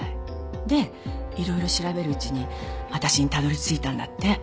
で色々調べるうちに私にたどり着いたんだって。